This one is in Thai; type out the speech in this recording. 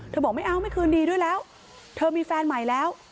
บอกไม่เอาไม่คืนดีด้วยแล้วเธอมีแฟนใหม่แล้ว